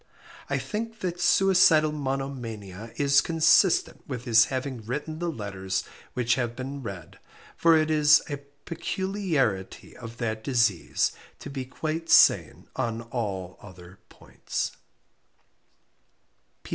I think that suicidal monomania is consistent with his having written the letters which have been read, for it is a peculiarity of that disease to be quite sane on all other points.